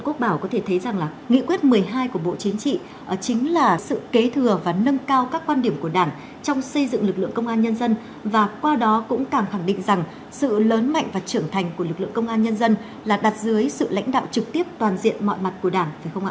quốc bảo có thể thấy rằng là nghị quyết một mươi hai của bộ chính trị chính là sự kế thừa và nâng cao các quan điểm của đảng trong xây dựng lực lượng công an nhân dân và qua đó cũng càng khẳng định rằng sự lớn mạnh và trưởng thành của lực lượng công an nhân dân là đặt dưới sự lãnh đạo trực tiếp toàn diện mọi mặt của đảng phải không ạ